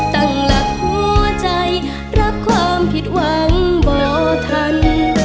ตั้งหลักหัวใจรักความผิดหวังบ่อทัน